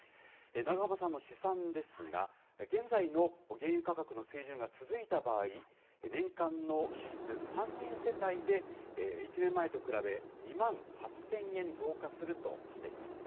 永濱さんの試算ですが、現在の原油価格の水準が続いた場合、年間の支出、３人世帯で、１年前と比べ２万８０００円増加するとしています。